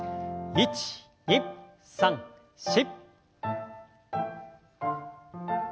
１２３４。